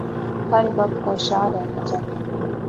ہر وقت ہوشیار رہنا چاہیے